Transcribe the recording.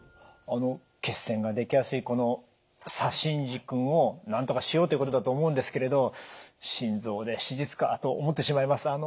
あの血栓ができやすいこの左心耳君をなんとかしようということだと思うんですけれど「心臓で手術か」と思ってしまいます。